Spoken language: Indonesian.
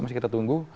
masih kita tunggu